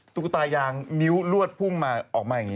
ตุ๊กตายางนิ้วลวดพุ่งมาออกมาอย่างนี้